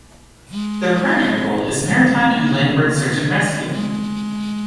Their primary role is maritime and landward search and rescue.